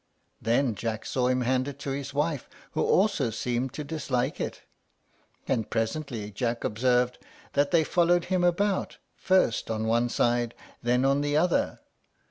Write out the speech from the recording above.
Then Jack saw him hand it to his wife, who also seemed to dislike it; and presently Jack observed that they followed him about, first on one side, then on the other.